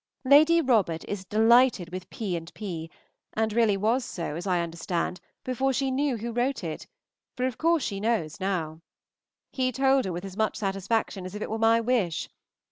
Lady Robert is delighted with P. and P., and really was so, as I understand, before she knew who wrote it, for of course she knows now. He told her with as much satisfaction as if it were my wish.